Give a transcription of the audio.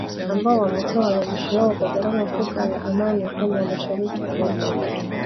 ambao wametoa wanajeshi wao kwa gharama kubwa ya amani upande wa mashariki mwa nchi yetu